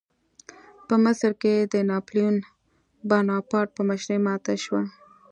په مصر کې د ناپلیون بناپارټ په مشرۍ ماتې شوه.